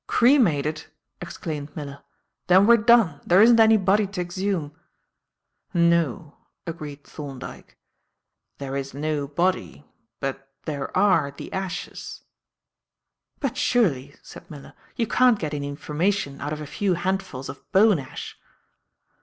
"Cremated!" exclaimed Miller. "Then we're done. There isn't any body to exhume." "No," agreed Thorndyke, "there is no body, but there are the ashes." "But, surely," said Miller, "you can't get any information out of a few handfuls of bone ash?"